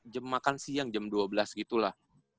jam makan siang jam dua belas gitu lah